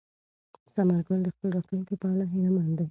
ثمر ګل د خپل راتلونکي په اړه هیله من دی.